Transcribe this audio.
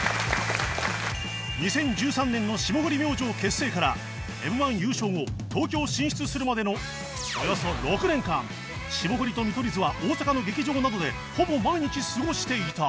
２０１３年の霜降り明星結成から Ｍ−１ 優勝後東京進出するまでのおよそ６年間霜降りと見取り図は大阪の劇場などでほぼ毎日過ごしていた